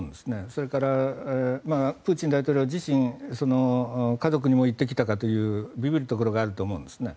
それからプーチン大統領自身家族にも言ってきたかというびびるところがあると思うんですね。